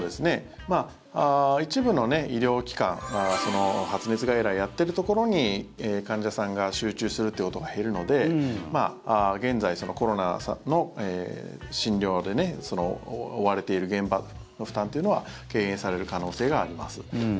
一部の医療機関発熱外来やってるところに患者さんが集中するってことが減るので現在コロナの診療で追われている現場の負担というのは軽減される可能性があります。